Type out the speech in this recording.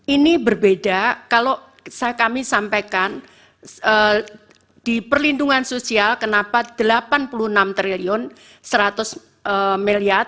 ini berbeda kalau kami sampaikan di perlindungan sosial kenapa rp delapan puluh enam triliun seratus miliar